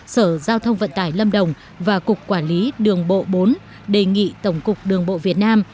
sở giao thông vận tải lâm đồng và cục quản lý đường bộ bốn đề nghị tổng cục đường bộ việt nam